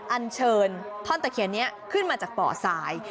อันเชิญท่อนตะเคียนนี้ขึ้นมาจากป่อสาย